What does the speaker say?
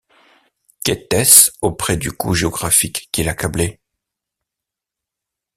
Qu’était-ce auprès du coup géographique qui l’accablait!